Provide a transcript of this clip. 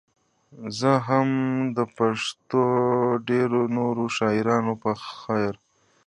زه هم د پښتو ډېرو نورو شاعرانو په څېر.